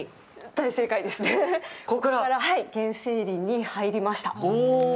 原生林に入りました。